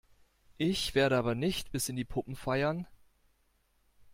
Ich werde aber nicht bis in die Puppen feiern.